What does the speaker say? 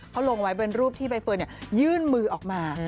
เขาลงไว้เป็นรูปที่ใบเฟิร์นยื่นมือออกมา